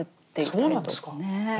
そうなんですか。